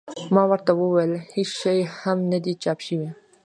ما ورته وویل هېڅ شی هم نه دي چاپ شوي.